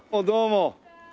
どうも。